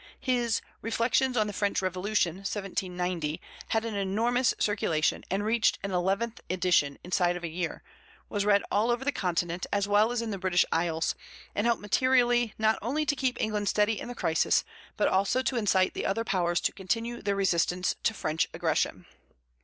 His Reflections on the French Revolution (1790) had an enormous circulation, reached an eleventh edition inside of a year, was read all over the continent as well as in the British Isles, and helped materially not only to keep England steady in the crisis, but also to incite the other powers to continue their resistance to French aggression.